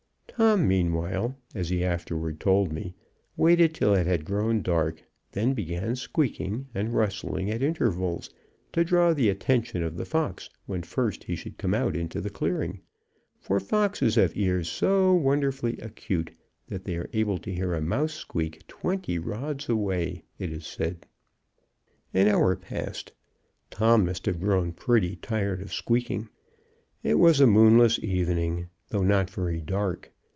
Tom, meanwhile, as he afterward told me, waited till it had grown dark, then began squeaking and rustling at intervals, to draw the attention of the fox when first he should come out into the clearing, for foxes have ears so wonderfully acute, that they are able to hear a mouse squeak twenty rods away, it is said. An hour passed. Tom must have grown pretty tired of squeaking. It was a moonless evening, though not very dark.